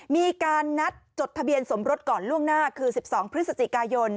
มีการนัดจดทะเบียนสมรสก่อนล่วงหน้าคือ๑๒พฤศจิกายน